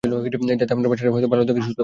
যাতে আপনার বাচ্চাটা ভালো থাকে, সুস্থ থাকে।